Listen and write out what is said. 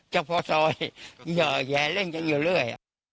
เจ้าพ่อซอยแย่เล่นกันอยู่เรื่อย